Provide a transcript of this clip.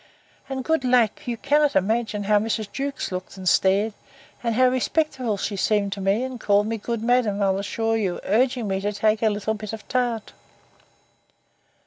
And, good lack! you can't imagine how Mrs. Jewkes looked and stared, and how respectful she seemed to me, and called me good madam, I'll assure you, urging me to take a little bit of tart.